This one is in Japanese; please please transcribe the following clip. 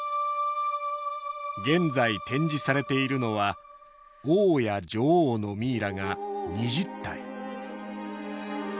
現在展示されているのは王や女王のミイラが２０体